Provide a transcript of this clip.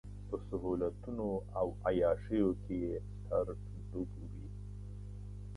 په سهولتونو او عياشيو کې يې سر ډوب وي.